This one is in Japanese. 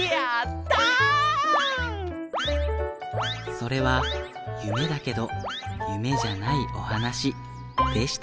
それはゆめだけどゆめじゃないおはなしでした。